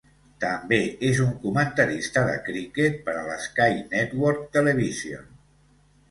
També és un comentarista de criquet per a l'Sky Network Television.